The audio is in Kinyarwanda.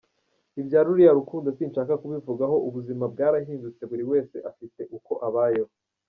Ibya ruriya rukundo sinshaka kubivugaho ubuzima bwarahindutse buri wese afite uko abayeho.